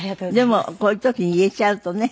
でもこういう時に言えちゃうとね